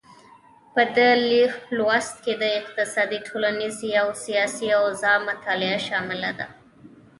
په دې لوست کې د اقتصادي، ټولنیزې او سیاسي اوضاع مطالعه شامله ده.